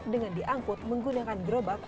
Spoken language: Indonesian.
dengan diangkut menggunakan gerobak